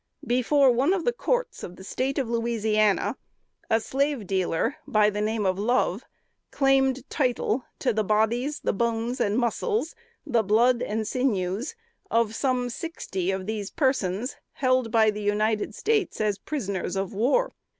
Before one of the courts of the State of Louisiana, a slave dealer by the name of Love, claimed title to the bodies, the bones and muscles, the blood and sinews, of some sixty of these persons, held by the United States as prisoners of war.